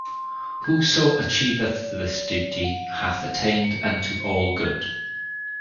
Whoso achieveth this duty hath attained unto all good...